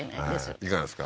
いかがですか？